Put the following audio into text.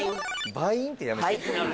バイン！ってやめて。